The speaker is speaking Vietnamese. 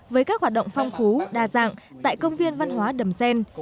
với các hoạt động phong phú đa dạng tại công viên văn hóa đầm xen